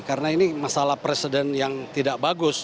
karena ini masalah presiden yang tidak bagus